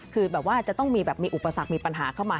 คือจะต้องมีอุปสรรคมีปัญหาเข้ามา